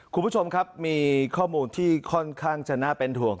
คุณผู้ชมครับมีข้อมูลที่ค่อนข้างจะน่าเป็นห่วง